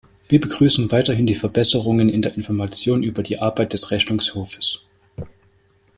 Wir begrüßen weiterhin die Verbesserungen in der Information über die Arbeit des Rechnungshofs.